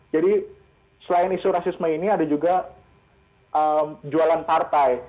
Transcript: jadi selain isu rasisme ini ada juga jualan partai